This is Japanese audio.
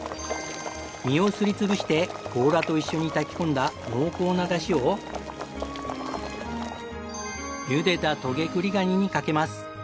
身をすり潰して甲羅と一緒に炊き込んだ濃厚なだしをゆでたトゲクリガニにかけます。